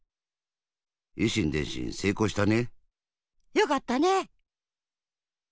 よかったね。